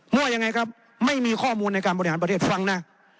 ยังไงครับไม่มีข้อมูลในการบริหารประเทศฟังนะ